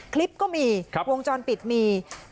คลิปก็มีวงจรปิดมี